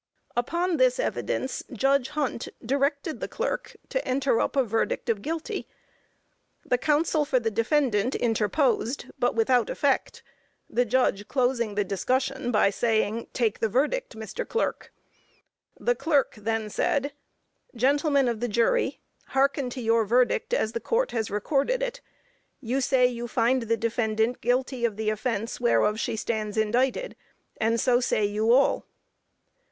Upon this evidence Judge Hunt directed the clerk to enter up a verdict of guilty. The counsel for the defendant interposed, but without effect, the judge closing the discussion by saying, "Take the verdict, Mr. Clerk." The clerk then said, "Gentlemen of the jury, hearken to your verdict, as the Court has recorded it. You say you find the defendant guilty of the offence whereof she stands indicted, and so say you all."